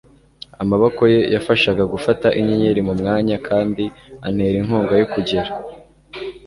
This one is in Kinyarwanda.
amaboko ye yafashaga gufata inyenyeri mu mwanya, kandi antera inkunga yo kugera